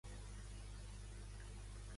Qui és Antonio Tajani?